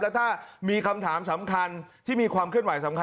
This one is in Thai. แล้วถ้ามีคำถามสำคัญที่มีความเคลื่อนไหวสำคัญ